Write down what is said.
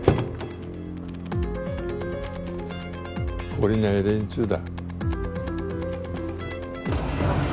懲りない連中だ。